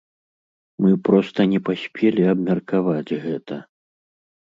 Мы проста не паспелі абмеркаваць гэта.